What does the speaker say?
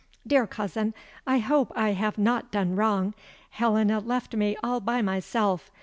"Dear cousin, I hope I have not done wrong. Helena left me all by myself.